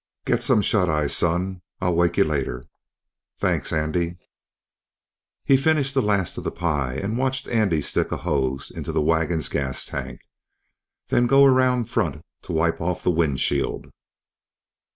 "Get some shut eye, son. I'll wake y' later." "Thanks, Andy." He finished the last of the pie and watched Andy stick a hose into the wagon's gas tank, then go around front to wipe off the windshield.